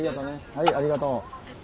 はいありがとう。